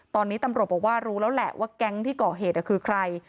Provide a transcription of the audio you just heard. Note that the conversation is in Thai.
ตอนนี้ตำรวจบอกว่ารู้แล้วแหละว่าแก๊งที่ก่อเหตุคือใคร